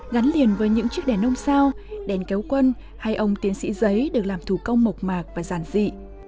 gắn liền với những chiếc đèn ông sao đèn kéo quân hay ông tiến sĩ giấy được làm thủ công mộc mạc và giản dị